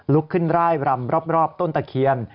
ลุกขึ้นร่ายรำรอบต้นตะเคียน